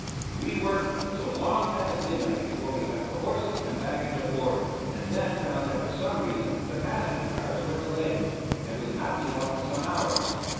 We worked until long past midnight before we got the horses and baggage aboard, and then found that for some reason the passenger cars were delayed and would not be out for some hours.